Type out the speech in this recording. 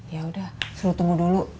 yaudah suruh tunggu dulu